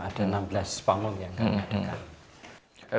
ada enam belas pamong yang kami adakan